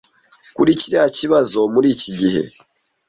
kuri kiriya kibazo muri iki gihe.